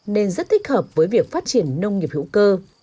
nên rất thích hợp với việc phát triển nông nghiệp hữu cơ